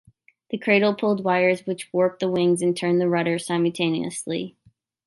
The cradle pulled wires which warped the wings and turned the rudder simultaneously.